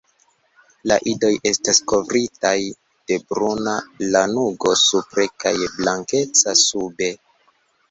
La idoj estas kovritaj de bruna lanugo supre kaj blankeca sube.